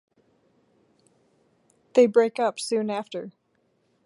They break up soon after.